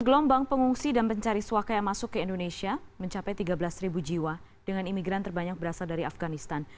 gelombang pengungsi dan pencari suaka yang masuk ke indonesia mencapai tiga belas jiwa dengan imigran terbanyak berasal dari afganistan